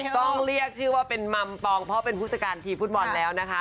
ต้องเรียกชื่อว่าเป็นมัมปองเพราะเป็นผู้จัดการทีมฟุตบอลแล้วนะคะ